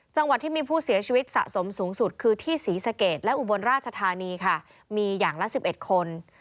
จังหวัดที่มีผู้เสียชีวิตสะสมสูงสุดคือที่ศรีสะเกดและอุบลราชธานีค่ะมีอย่างละ๑๑คน